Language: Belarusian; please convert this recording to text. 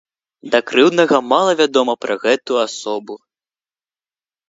Да крыўднага мала вядома пра гэту асобу.